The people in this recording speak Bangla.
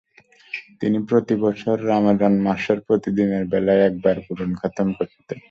তিনি প্রতি বছর রামাযান মাসের প্রতিদিনের বেলায় একবার কুরআন খতম করতেন।